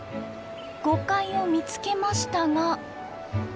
ゴカイを見つけましたが。